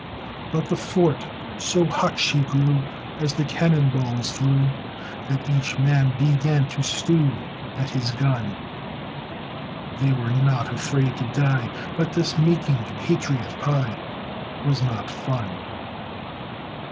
But the fort so hot she grew, As the cannon balls flew, That each man began to stew At his gun; They were not afraid to die, But this making Patriot pie Was not fun.